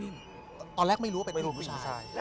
ขุนยวมพอเข้าไปพบเหมือนมีคนก็คอยจับจ้องคุณตลอดเวลา